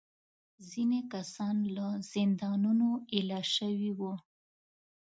ځینې کسان له زندانونو ایله شوي وو.